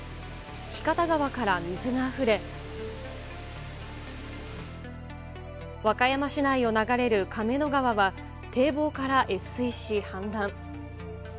ひかた川から水があふれ、和歌山市内を流れる亀の川は堤防から越水し氾濫。